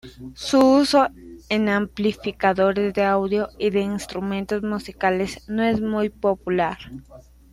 Su uso en amplificadores de audio y de instrumentos musicales no es muy popular.